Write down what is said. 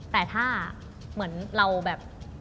แต่ถ้าเหมือนเราแบบ